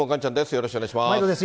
よろしくお願いします。